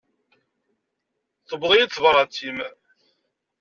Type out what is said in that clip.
Tewweḍ-iyi-d tebrat-im.